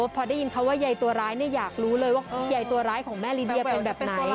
พอได้ยินเขาว่าใยตัวร้ายอยากรู้เลยว่าใหญ่ตัวร้ายของแม่ลิเดียเป็นแบบไหน